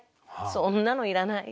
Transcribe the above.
そんなのいらない。